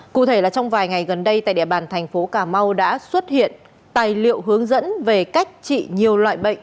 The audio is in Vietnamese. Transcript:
cụ thể là trong vài ngày gần đây tại địa bàn thành phố cà mau đã xuất hiện tài liệu hướng dẫn về cách trị nhiều loại bệnh